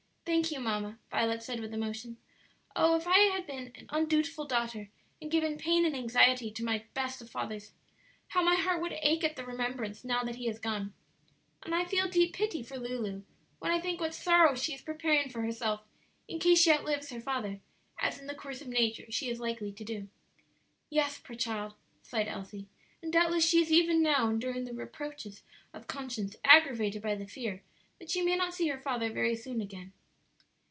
"Thank you, mamma," Violet said with emotion; "oh, if I had been an undutiful daughter and given pain and anxiety to my best of fathers, how my heart would ache at the remembrance, now that he is gone. And I feel deep pity for Lulu when I think what sorrow she is preparing for herself in case she outlives her father, as in the course of nature she is likely to do." "Yes, poor child!" sighed Elsie; "and doubtless she is even now enduring the reproaches of conscience aggravated by the fear that she may not see her father very soon again.